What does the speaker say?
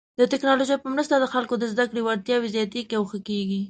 د ټکنالوژۍ په مرسته د خلکو د زده کړې وړتیاوې زیاتېږي او ښه کیږي.